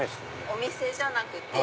お店じゃなくって。